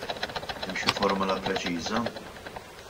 Hemm xi formola preċiża?